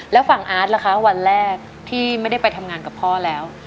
แล้วฝั่งอาร์ตล่ะคะวันแรกที่ไม่ได้ไปทำงานกับพ่อแล้ว